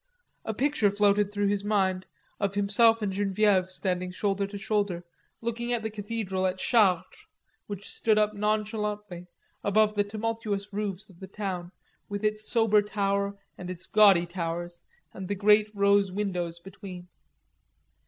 A picture floated through his mind of himself and Genevieve standing shoulder to shoulder looking at the Cathedral at Chartres, which stood up nonchalantly, above the tumultuous roofs of the town, with its sober tower and its gaudy towers and the great rose windows between.